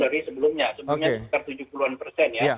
sebelumnya sekitar tujuh puluh an persen ya